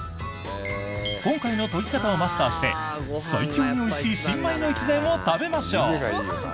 今回の研ぎ方をマスターして最強においしい新米の一膳を食べましょう！